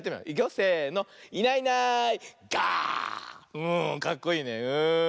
うんかっこいいねうん。